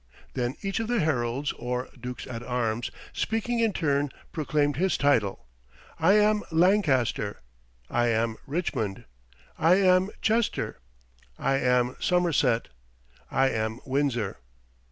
Then each of the heralds, or Dukes at Arms, speaking in turn, proclaimed his title. "I am Lancaster." "I am Richmond." "I am Chester." "I am Somerset." "I am Windsor."